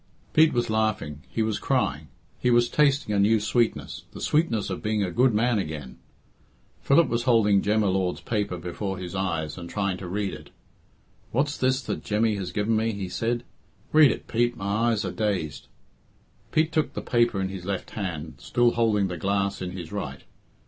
Pete was laughing; he was crying; he was tasting a new sweetness the sweetness of being a good man again. Philip was holding Jem y Lord's paper before his eyes, and trying to read it. "What's this that Jemmy has given me?" he said. "Read it, Pete. My eyes are dazed." Pete took the paper in his left hand, still holding the glass in his right.